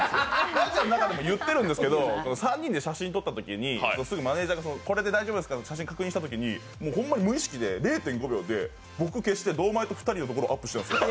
ラジオの中でも言ってるんですけど３人で写真撮ったときにすぐマネージャーがこれでいいですかって確認したときにほんまに無意識で、０．５秒で僕消して、堂前と２人のところをアップしてたんですよ。